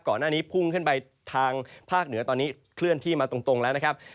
ก่อนหน้านี้พุ่งขึ้นไปทางภาคเหนือตอนนี้เคลื่อนที่มาตรงแล้วนะครับ